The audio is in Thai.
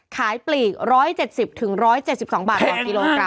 ปลีก๑๗๐๑๗๒บาทต่อกิโลกรัม